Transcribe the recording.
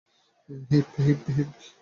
Heap, heap!